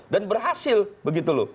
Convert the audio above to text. dan berhasil begitu loh